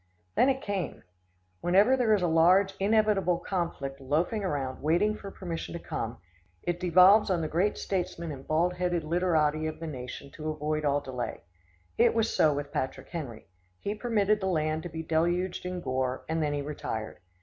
Then it came. Whenever there is a large, inevitable conflict loafing around waiting for permission to come, it devolves on the great statesmen and bald headed literati of the nation to avoid all delay. It was so with Patrick Henry. He permitted the land to be deluged in gore, and then he retired.